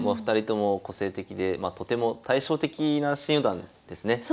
２人とも個性的でとても対照的な新四段ですね。